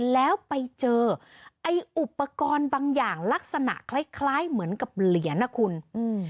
แล้วไปเจอไอ้อุปกรณ์บางอย่างลักษณะคล้ายคล้ายเหมือนกับเหรียญนะคุณอืม